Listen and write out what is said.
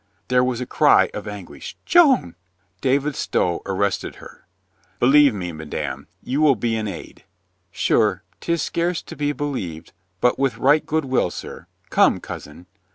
There was a cry of anguish. "Joan !" David Stow arrested her. "Believe me, madame, you will be an aid." "Sure, 'tis scarce to be believed. But with right good will, sir. Come, cousin."